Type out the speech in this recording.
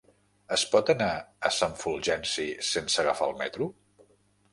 Es pot anar a Sant Fulgenci sense agafar el metro?